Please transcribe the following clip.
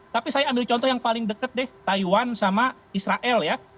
tapi saya ambil contoh yang paling deket deh taiwan sama israel ya